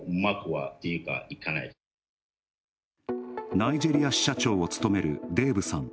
ナイジェリア支社長を務めるデイブさん。